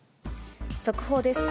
速報です。